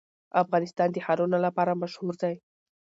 افغانستان د ښارونه لپاره مشهور دی.